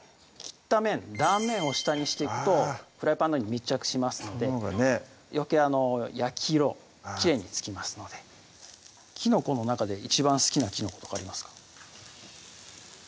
断面を下にしていくとフライパンに密着しますのでそのほうがね焼き色きれいにつきますのできのこの中で一番好きなきのことかありますか？